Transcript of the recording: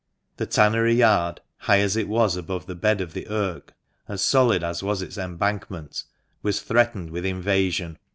The tannery yard, high as it was above the bed of the Irk, and solid as was its embankment, was threatened with invasion.